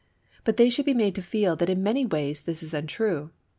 But they should be made to feel that in many ways this is untrue.